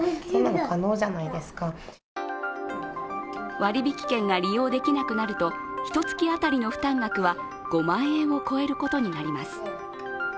割引券が利用できなくなるとひと月当たりの負担額は５万円を超えることになります。